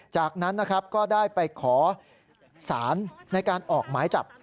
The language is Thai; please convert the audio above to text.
จากนั้นนะครับก็ได้ไปขอสารในการออกหมายจับ